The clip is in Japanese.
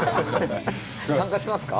参加しますか？